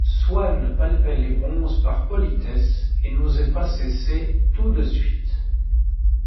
Swann palpait les bronzes par politesse et n’osait pas cesser tout de suite.